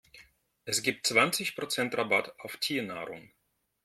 Es gibt zwanzig Prozent Rabatt auf Tiernahrung.